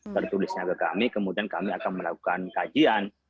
tertulisnya ke kami kemudian kami akan melakukan kajian